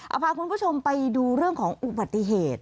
เอาพาคุณผู้ชมไปดูเรื่องของอุบัติเหตุ